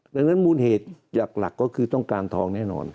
แล้วมูลเหตุจากหลักคือต้องการทองแน่นอน